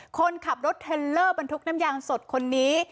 คนขับรถเทลเลอร์บรรทุกน้ำยางสดคนนี้